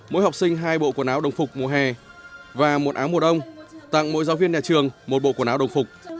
mỗi học sinh hai bộ quần áo đồng phục mùa hè và một áo mùa đông tặng mỗi giáo viên nhà trường một bộ quần áo đồng phục